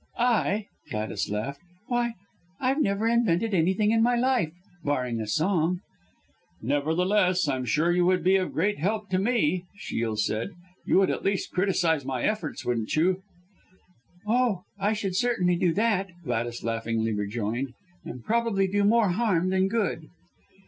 "I," Gladys laughed, "why I've never invented anything in my life, barring a song." "Nevertheless I'm sure you would be of great help to me," Shiel said; "you would at least criticize my efforts, wouldn't you?" "Oh! I should certainly do that," Gladys laughingly rejoined, "and probably do more harm than good."